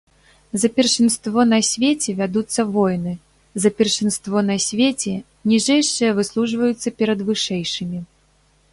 За першынство на свеце вядуцца войны, за першынство на свеце ніжэйшыя выслужваюцца перад вышэйшымі.